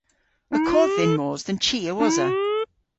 Y kodh dhyn mos dhe'n chi a-wosa.